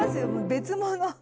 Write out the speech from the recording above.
別物。